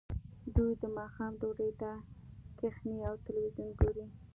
دوی د ماښام ډوډۍ ته کیښني او تلویزیون ګوري